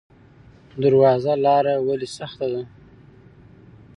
درواز لاره ولې سخته ده؟